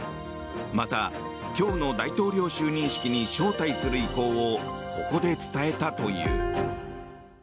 また、今日の大統領就任式に招待する意向をここで伝えたという。